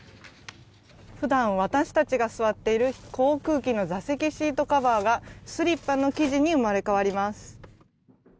普段、私たちが座っている航空機の座席シートカバーがスリッパの生地に生まれ変わります。